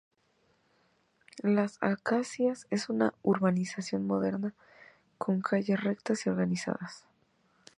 Las Acacias es una urbanización moderna, con calles rectas y organizadas.